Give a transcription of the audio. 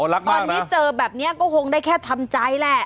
อ๋อรักมากนะตอนนี้เจอแบบเนี้ยก็คงได้แค่ทำใจแหละ